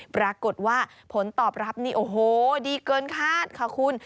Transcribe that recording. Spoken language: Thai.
ปรากฏว่าผลตอบรับนี่โอ้โหดีเกินคาดค่ะคุณ